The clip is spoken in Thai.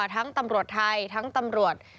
ทั้งตำรวจไทยทั้งตำรวจ